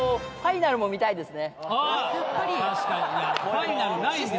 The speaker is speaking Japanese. ファイナルないんです。